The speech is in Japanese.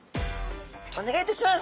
お願いいたします。